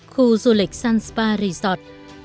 khu du lịch sun spa resort